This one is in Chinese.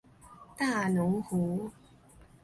大奴湖。